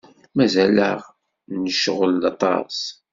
Mazal-aɣ necɣel aṭas.